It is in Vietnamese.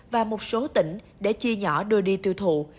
và một số tỉnh để chia nhỏ đưa đi tiêu thụ